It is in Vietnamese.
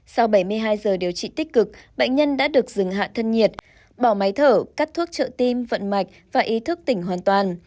sau bảy mươi hai giờ điều trị tích cực bệnh nhân đã được dừng hạ thân nhiệt bỏ máy thở cắt thuốc trợ tim vận mạch và ý thức tỉnh hoàn toàn